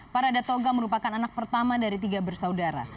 parada toga merupakan anak pertama dari tiga bersaudara